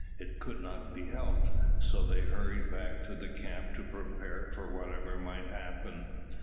It could not be helped, so they hurried back to the camp to prepare for whatever might happen.